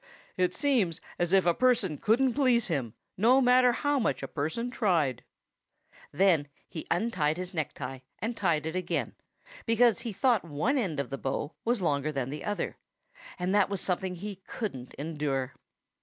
"It seems as if a person couldn't please him, no matter how much a person tried." Then he untied his necktie, and tied it again, because he thought one end of the bow was longer than the other; and that was something he couldn't endure.